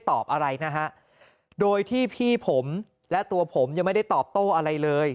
ตอบอะไรนะฮะโดยที่พี่ผมและตัวผมยังไม่ได้ตอบโต้อะไรเลย